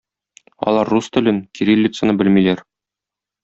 Алар рус телен, кириллицаны белмиләр.